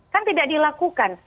kan tidak dilakukan